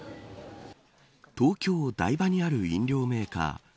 東京、台場にある飲料メーカー